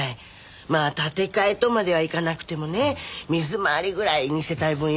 まあ建て替えとまではいかなくてもね水回りぐらい二世帯分用意しないと。